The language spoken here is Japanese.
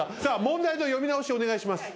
問題の読み直しお願いします。